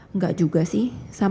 enggak juga sih